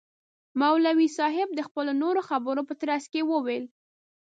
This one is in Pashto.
مولوی صاحب د خپلو نورو خبرو په ترڅ کي وویل.